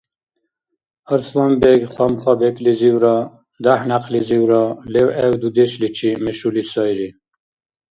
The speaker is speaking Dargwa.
Арсланбег хамха-бекӀлизивра дяхӀ-някълизивра левгӀев дудешличи мешули сайри